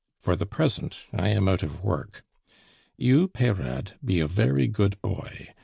"For the present, I am out of work. You, Peyrade, be a very good boy.